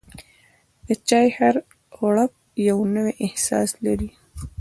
د چای هر غوړپ یو نوی احساس لري.